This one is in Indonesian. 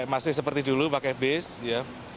masih seperti dulu pakai garbarata